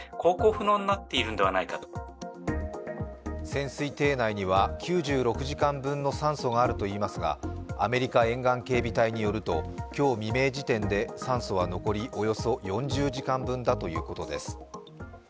潜水艇内には９６時間分の酸素があるといいますがアメリカ沿岸警備隊によると、今日未明時点で、酸素は残りおよそ４０時間分だということです。